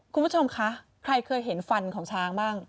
คุณผู้ชมคะใครเคยเห็นฟันของช้างบ้าง